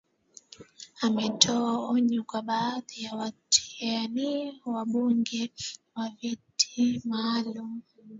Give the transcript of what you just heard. ametoa onyo kwa baadhi ya watia nia wa ubunge wa viti maalum